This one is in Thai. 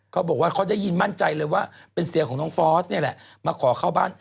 เขาบอกว่าเขาได้ยินมั่นใจเลยว่าเป็นเสียของน้องฟอสนี่แหละมาขอเข้าบ้าน